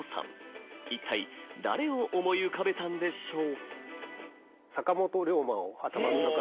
一体誰を思い浮かべたんでしょう？